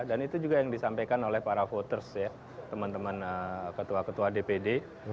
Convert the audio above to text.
dan itu juga yang disampaikan oleh para voters ya teman teman ketua ketua dpd